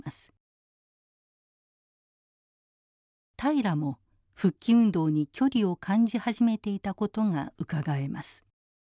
平良も復帰運動に距離を感じ始めていたことがうかがえます。